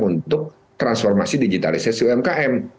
untuk transformasi digitalisasi umkm